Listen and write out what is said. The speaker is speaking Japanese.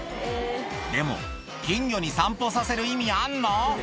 でも、金魚に散歩させる意味あんの？